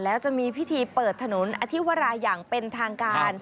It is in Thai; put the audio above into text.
แล้วจะมีพิธีเปิดถนนอธิวราอย่างเป็นทางการ